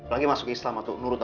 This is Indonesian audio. lagi masuk ke islam